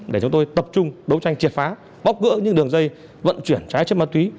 để chúng tôi tập trung đấu tranh triệt phá bóc gỡ những đường dây vận chuyển trái ma túy